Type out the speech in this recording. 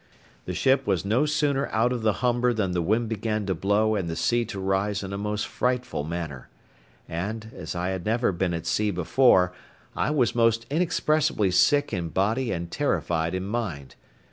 The ship was no sooner out of the Humber than the wind began to blow and the sea to rise in a most frightful manner; and, as I had never been at sea before, I was most inexpressibly sick in body and terrified in mind.